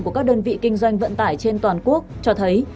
của các đơn vị kinh doanh vận tải trên toàn quốc cho thấy